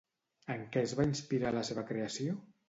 En què es va inspirar la seva creació?